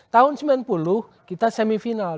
tahun sembilan puluh kita semifinal